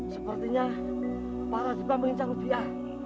sepertinya pak radipa mengincar lufia